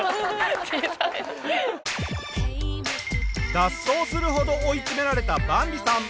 脱走するほど追い詰められたバンビさん。